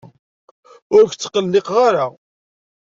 Ur k-ttqelliqeɣ ara.